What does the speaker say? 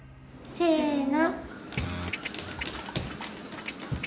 せの。